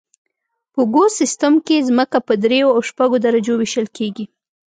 په ګوس سیستم کې ځمکه په دریو او شپږو درجو ویشل کیږي